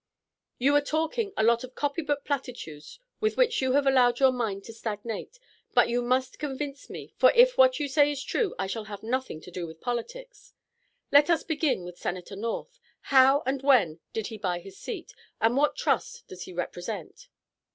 "You are talking a lot of copybook platitudes with which you have allowed your mind to stagnate. But you must convince me, for if what you say is true I shall have nothing to do with politics. Let us begin with Senator North. How and when did he buy his seat, and what Trust does he represent?"